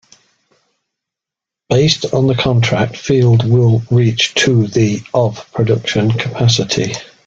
Based on the contract field will reach to the of production capacity.